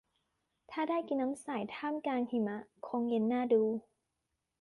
ถ้าได้กินน้ำแข็งใสท่ามกลางหิมะคงเย็นน่าดู